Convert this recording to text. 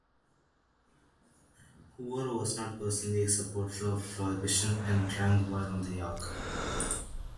Hoover was not personally a supporter of prohibition and drank while on the yacht.